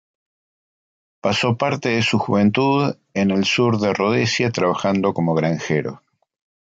Pasó parte de su juventud en el sur de Rodesia, trabajando como granjero.